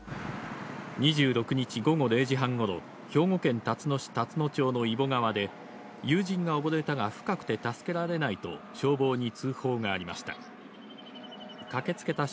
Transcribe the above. ２６日午後０時半ごろ、兵庫県たつの市龍野町の揖保川で、友人が溺れたが、深くて助けられないと、消防に通報がありました。